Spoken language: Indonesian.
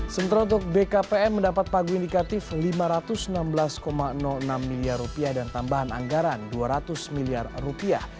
sementara untuk bkpm mendapat pagu indikatif lima ratus enam belas enam miliar rupiah dan tambahan anggaran dua ratus miliar rupiah